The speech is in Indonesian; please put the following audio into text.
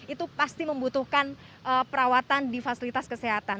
itu pasti membutuhkan perawatan di fasilitas kesehatan